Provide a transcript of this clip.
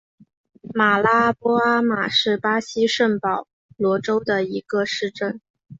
马拉波阿马是巴西圣保罗州的一个市镇。